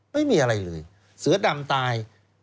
ไม่มีอะไรเลยเสือดำตาย